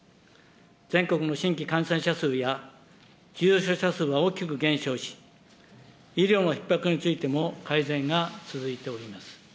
全国の新規感染者数や、重症者数は大きく減少し、医療のひっ迫についても改善が続いております。